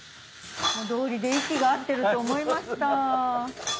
道理で息が合ってると思いました。